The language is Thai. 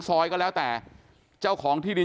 จะไม่เคลียร์กันได้ง่ายนะครับ